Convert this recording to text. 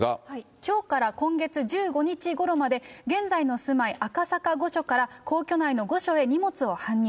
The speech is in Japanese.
きょうから今月１５日ごろまで、現在の住まい、赤坂御所から、皇居内の御所へ荷物を搬入。